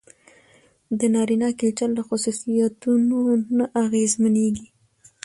د نارينه کلچر له خصوصيتونو نه اغېزمنېږي.